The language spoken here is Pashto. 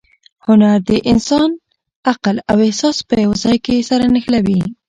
هنر د انسان عقل او احساس په یو ځای کې سره نښلوي.